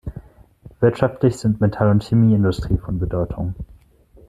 Wirtschaftlich sind Metall- und Chemieindustrie von Bedeutung.